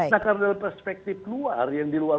nah karena dalam perspektif luar yang di luar